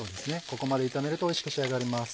ここまで炒めるとおいしく仕上がります。